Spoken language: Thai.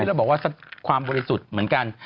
ที่เราบอกว่าความโบราณสุดเหมือนกัน